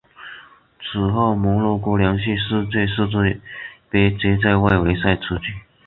此后摩洛哥连续四届世界杯皆在外围赛出局。